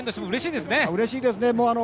うれしいですね。